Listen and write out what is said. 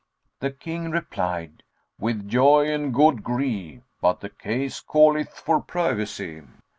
The King replied, "With joy and good gree, but the case calleth for privacy."